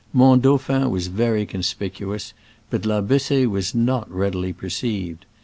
Mont Dauphin was very conspicuous, but La Bess6e was not readily perceived.